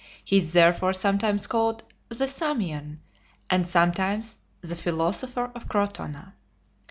He is therefore sometimes called "the Samian," and sometimes "the philosopher of Crotona."